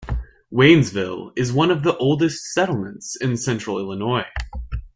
Waynesville is one of the oldest settlements in central Illinois.